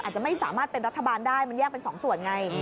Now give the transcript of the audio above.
อาจจะไม่สามารถเป็นรัฐบาลได้มันแยกเป็นสองส่วนไง